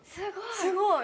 すごい！